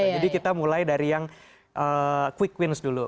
jadi kita mulai dari yang quick wins dulu